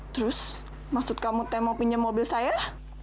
terus maksud kamu saya mau pinjam mobil saya